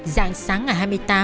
dạng sáng ngày hai mươi tám